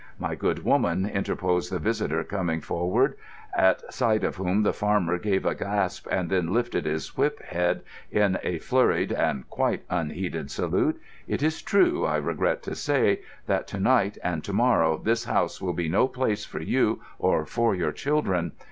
"My good woman," interposed the visitor, coming forward—at sight of whom the farmer gave a gasp and then lifted his whip head in a flurried (and quite unheeded) salute—"it is true, I regret to say, that to night and to morrow this house will be no place for you or for your children.